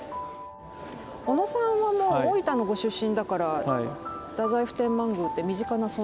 小野さんはもう大分のご出身だから太宰府天満宮って身近な存在ですか？